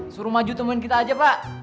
suruh maju temuin kita aja pak